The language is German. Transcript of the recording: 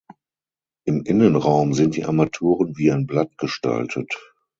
Im Innenraum sind die Armaturen wie ein Blatt gestaltet.